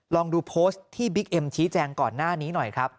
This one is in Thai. ลองดูโพสต์ที่บิ๊กเอ็มชี้แจงก่อนหน้านี้หน่อยครับ